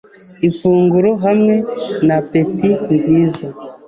ifunguro hamwe na appetit nziza.